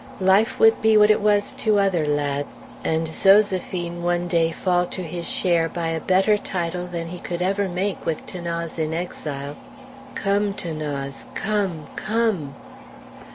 Life would be what it was to other lads, and Zoséphine one day fall to his share by a better title than he could ever make with 'Thanase in exile. Come, 'Thanase, come, come!